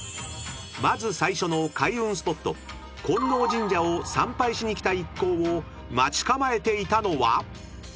［まず最初の開運スポット金王神社を参拝しにきた一行を待ち構えていたのは］